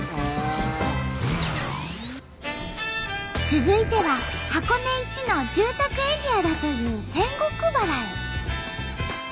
続いては箱根一の住宅エリアだという仙石原へ。